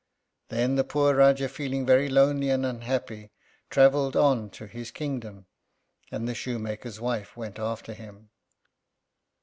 Then the poor Rájá, feeling very lonely and unhappy, travelled on to his kingdom, and the shoemaker's wife went after him.